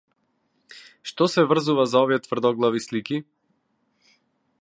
Што се врзува за овие тврдоглави слики?